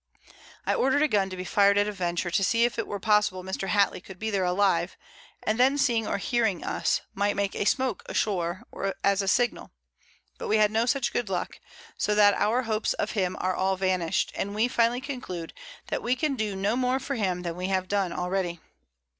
I order'd a Gun to be fir'd at a venture, to see if it were possible Mr. Hattley could be there alive, and then seeing or hearing us, might make a Smoak a shore, as a Signal, but we had no such good Luck; so that our Hopes of him are all vanish'd, and we finally conclude, that we can do no more for him than we have done already.